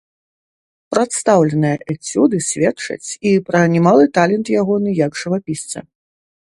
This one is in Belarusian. Прадстаўленыя эцюды сведчаць і пра немалы талент ягоны як жывапісца.